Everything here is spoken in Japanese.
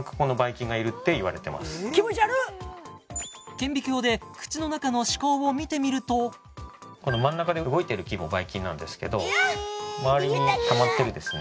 顕微鏡で口の中の歯垢を見てみるとこの真ん中で動いてる菌もばい菌なんですけど周りにたまってるですね